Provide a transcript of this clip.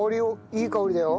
いい香りだよ。